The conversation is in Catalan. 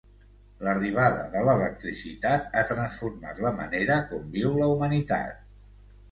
L'arribada de l'electricitat ha transformat la manera com viu la humanitat.